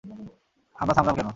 আমরা থামলাম কেন?